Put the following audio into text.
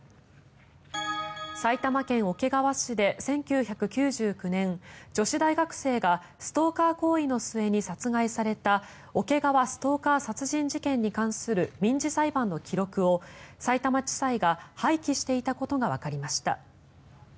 埼玉県桶川市で１９９９年女子大学生がストーカー行為の末に殺害された桶川ストーカー殺人事件に関する民事裁判の記録をさいたま地裁が廃棄していたことがわかりました。